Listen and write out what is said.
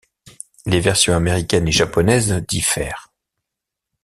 Les versions américaine et japonaise diffèrent.